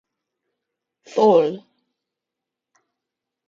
Thol.